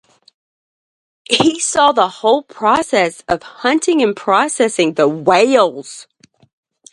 He saw the whole process of hunting and processing the whales.